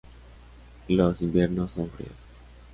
Los inviernos son fríos.